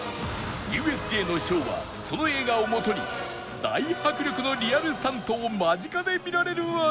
ＵＳＪ のショーはその映画をもとに大迫力のリアルスタントを間近で見られるアトラクション